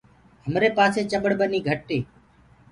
همري پآسي چڀڙ ٻني گھٽ هي۔